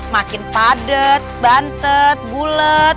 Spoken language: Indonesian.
makin padet bantet bulet